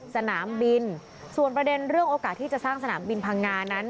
สนามบินส่วนประเด็นเรื่องโอกาสที่จะสร้างสนามบินพังงานั้น